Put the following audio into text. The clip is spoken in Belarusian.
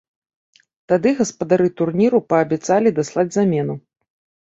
Тады гаспадары турніру паабяцалі даслаць замену.